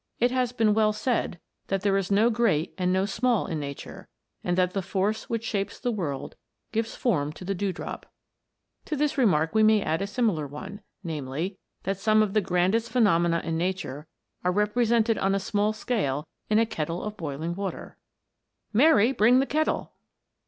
It has been well said, that there is no great and no small in nature, and that the force which shapes the world gives form to the dewdrop. To this remark we may add a similar one namely, that some of the grandest phenomena in nature are 156 WATER BEWITCHED. represented on a small scale in a kettle of boiling water. " Mary, bring the kettle